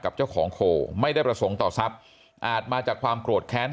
กับเจ้าของโคไม่ได้ประสงค์ต่อทรัพย์อาจมาจากความโกรธแค้น